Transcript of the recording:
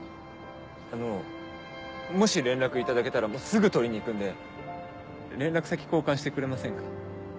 あのもし連絡いただけたらすぐ取りに行くんで連絡先交換してくれませんか？